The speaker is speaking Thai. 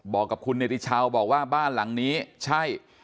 บอกกับคุณเนติชาวบอกว่าบ้านหลังนี้ใช่